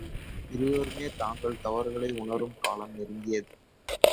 இருவருமே தங்கள் தவறுகளை உணரும் காலம் நெருங்கியது.